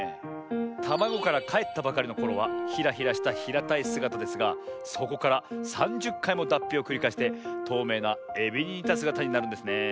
たまごからかえったばかりのころはヒラヒラしたひらたいすがたですがそこから３０かいもだっぴをくりかえしてとうめいなエビににたすがたになるんですねえ。